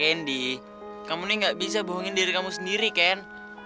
candy kamu nih gak bisa bohongin diri kamu sendiri ken